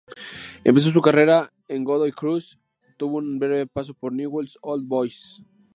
Empezó su carrera en Godoy Cruz, tuvo un breve paso por Newell's Old Boys.